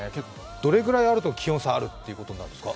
どれぐらいあると気温差あるってことになるんですか。